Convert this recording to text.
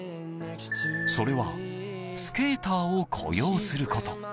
それはスケーターを雇用すること。